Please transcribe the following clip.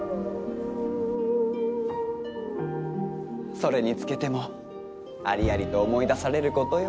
それにつけてもありありと思い出されることよ。